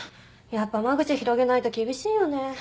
やっぱ間口広げないと厳しいよね。